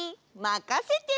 まかせて！